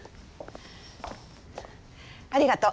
ありがとう。